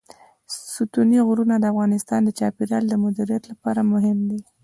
ستوني غرونه د افغانستان د چاپیریال د مدیریت لپاره مهم دي.